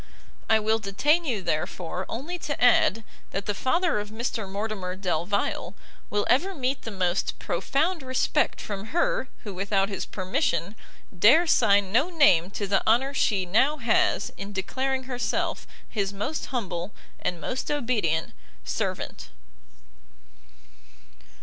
I will detain you, therefore, only to add, that the father of Mr Mortimer Delvile, will ever meet the most profound respect from her who, without his permission, dare sign no name to the honour she now has in declaring herself his most humble, and most obedient servant.